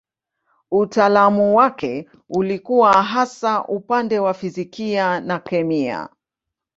Utaalamu wake ulikuwa hasa upande wa fizikia na kemia.